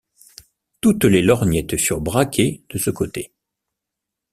Toutes les lorgnettes furent braquées de ce côté.